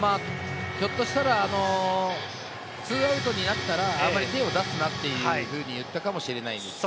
ひょっとしたら、２アウトになったら、あんまり手を出すなというふうに言ったかもしれないですし、